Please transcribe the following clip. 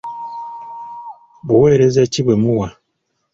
Buweereza ki bwe muwa?